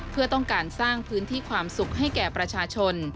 เพื่อต้องการสร้างพื้นที่ความสุขให้แก่ประชาชน